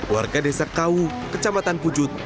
warga desa kau kecamatan pujut